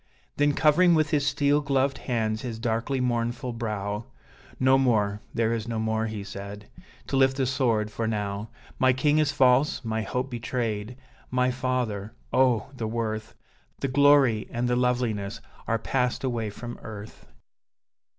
Then, covering with his steel gloved hands his darkly mournful brow, "No more, there is no more," he said, "to lift the sword for now. My king is false, my hope betrayed, my father oh! the worth, The glory and the loveliness, are passed away from earth!